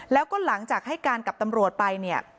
แล้วก็หลังจากให้การกับตำรวจไปเนี่ย